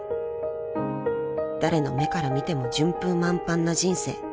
［誰の目から見ても順風満帆な人生］